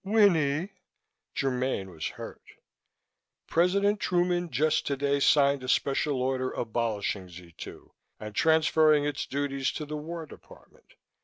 "Winnie!" Germaine was hurt. "President Truman just today signed a special order abolishing Z 2 and transferring its duties to the War Department.